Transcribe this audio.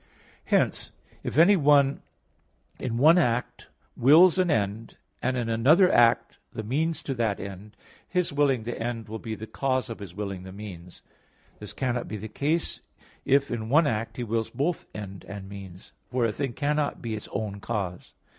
Hence, if anyone in one act wills an end, and in another act the means to that end, his willing the end will be the cause of his willing the means. This cannot be the case if in one act he wills both end and means; for a thing cannot be its own cause.